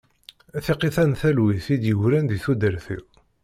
Tiqqit-a n talwit i d-yegran deg tudert-iw.